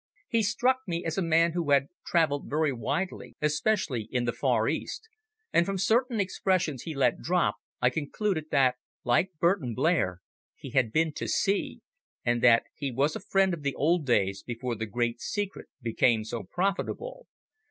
He struck me as a man who had travelled very widely, especially in the Far East, and from certain expressions he let drop I concluded that, like Burton Blair, he had been to sea, and that he was a friend of the old days before the great secret became so profitable.